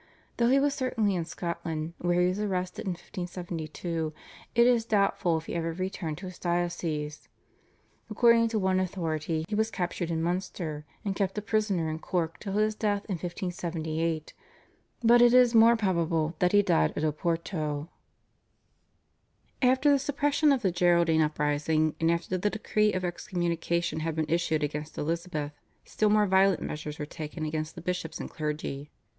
Though he was certainly in Scotland, where he was arrested in 1572, it is doubtful if he ever returned to his diocese. According to one authority he was captured in Munster and kept a prisoner in Cork till his death in 1578, but it is more probable that he died at Oporto. After the suppression of the Geraldine uprising and after the decree of excommunication had been issued against Elizabeth still more violent measures were taken against the bishops and clergy.